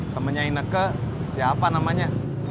temennya ineke siapa namanya